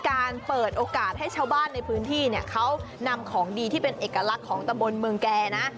การเปิดโอกาสให้ชาวบ้านในพื้นที่เนี่ยเขานำของดีที่เป็นเอกลักษณ์ของตะบนเมืองแก่นะ